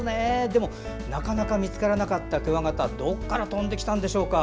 でもなかなか見つからなかったクワガタはどこから飛んできたんでしょうか。